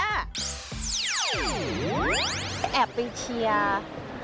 แอบไปเคลียร์